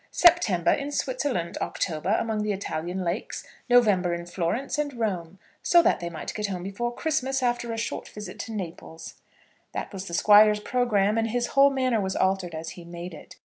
September in Switzerland, October among the Italian lakes, November in Florence and Rome. So that they might get home before Christmas after a short visit to Naples." That was the Squire's programme, and his whole manner was altered as he made it.